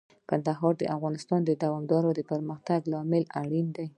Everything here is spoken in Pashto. کندهار د افغانستان د دوامداره پرمختګ لپاره اړین دي.